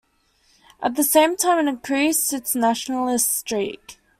At the same time, it increased its nationalist streak.